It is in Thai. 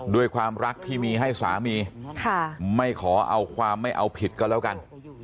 ด้วยความรักที่มีให้สามีไม่ขอเอาความไม่เอาผิดก็แล้วกัน